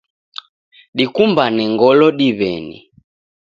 Dikumbane ngolo diweni